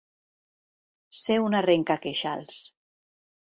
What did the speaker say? Ser un arrencaqueixals.